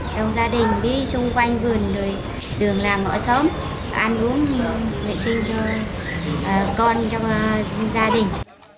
đồng gia đình đi xung quanh vườn đường làng ngõ xóm ăn uống vệ sinh